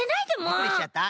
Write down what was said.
びっくりしちゃった？